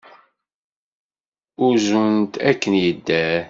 Uzun-t akken yedder.